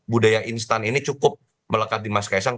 budaya instan ini cukup melekat di mas kaisang